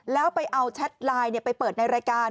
แล้วไปเอาแชทไลน์ไปเปิดในรายการ